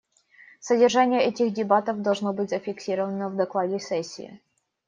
Содержание этих дебатов должно быть зафиксировано в докладе сессии.